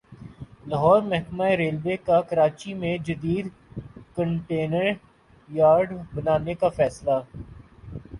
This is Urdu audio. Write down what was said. لاہور محکمہ ریلوے کا کراچی میں جدید کنٹینر یارڈ بنانے کا فیصلہ